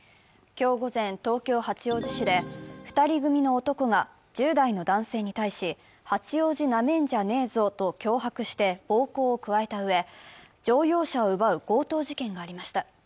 今日午前、東京・八王子市で２人組の男が１０代の男性に対し、八王子なめんじゃねえぞと脅迫して暴行を加えたうえ、乗用車を奪う強盗事件がありました。